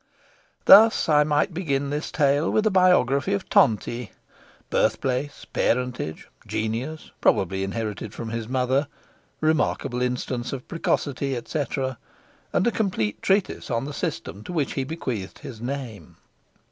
Thus I might begin this tale with a biography of Tonti birthplace, parentage, genius probably inherited from his mother, remarkable instance of precocity, etc and a complete treatise on the system to which he bequeathed his name.